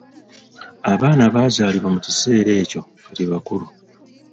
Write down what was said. Abaana abazaalibwa mu kiseera ekyo kati bakulu.